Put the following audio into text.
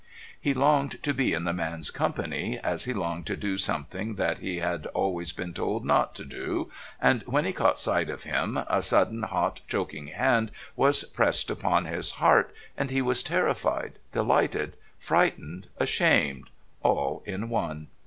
He longed to be in the man's company as he longed to do something that he had been always told not to do, and when he caught sight of him a sudden, hot, choking hand was pressed upon his heart, and he was terrified, delighted, frightened, ashamed, all in one.